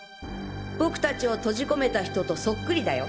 僕達を閉じ込めた人とそっくりだよ。